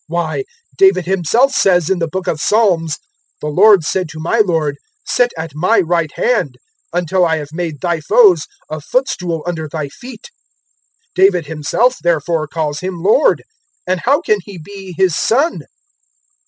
020:042 Why, David himself says in the Book of Psalms, "`The Lord said to my Lord, Sit at My right hand 020:043 Until I have made thy foes a footstool under they feet.' 020:044 "David himself therefore calls Him Lord, and how can He be his son?"